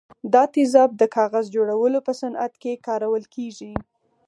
دا تیزاب د کاغذ جوړولو په صنعت کې کارول کیږي.